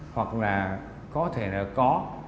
hoặc là có thể là có